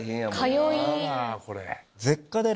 通い。